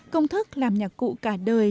công thức làm nhạc cụ cả đời